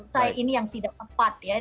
saya ini yang tidak tepat ya